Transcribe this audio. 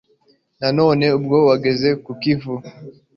Nanone ubwo wageze ku Kivu